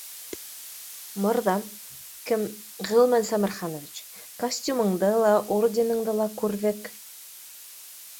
— Мырҙам, кем, Ғилман Сәмерханович, костюмыңды ла, орденыңды ла күрҙек